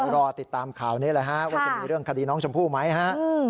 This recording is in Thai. รอติดตามข่าวนี้แหละฮะว่าจะมีเรื่องคดีน้องชมพู่ไหมฮะ